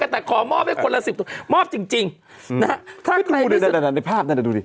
ตรงนั้นในภาพนะดูดิ